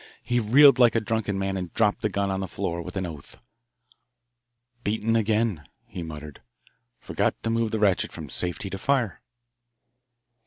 He reeled like a drunken man and dropped the gun on the floor with an oath. "Beaten again," he muttered. "Forgot to move the ratchet from 'safety' to 'fire.'"